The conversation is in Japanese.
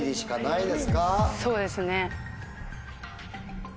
そうですね。